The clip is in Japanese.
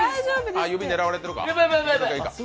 あ、指狙われてるか。